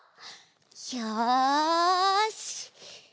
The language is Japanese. よし！